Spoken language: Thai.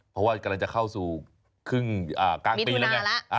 เพราะว่ากำลังจะเข้าสู่ครึ่งกลางปีแล้วนะมีทุนาละ